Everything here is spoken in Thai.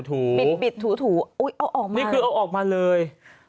บิดบิดถูเอาออกมานี่คือเอาออกมาเลย